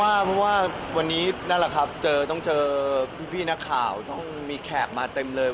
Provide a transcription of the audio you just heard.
วันที่อาจจะช่วยสามารถดูคนชูไทยงานงานกันนะครับวันนี้ถึงผู้ใหญ่มาเต็มเลยและถึงคนที่เอาคู่น้อมรับรัก